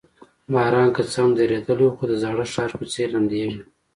باران که څه هم درېدلی و، خو د زاړه ښار کوڅې لمدې وې.